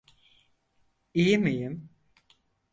İyi miyim?